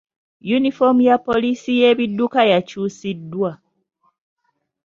Yunifoomu ya poliisi y'ebidduka yakyusiddwa.